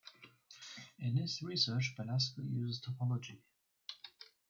In his research, Balasko uses topology.